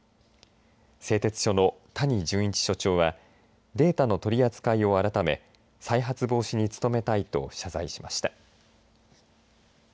製鉄所の谷潤一所長はデータの取り扱いを改め再発防止に努めたいと謝罪しました。